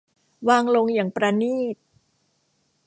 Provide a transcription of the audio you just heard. วางลงอย่างปราณีต